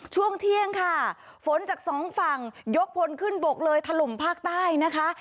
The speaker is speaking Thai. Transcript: ช่วงเที่ยงค่ะฝนจากสองฝั่งยกพลขึ้นบกเลยถล่มภาคใต้นะคะ